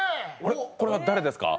これは誰ですか？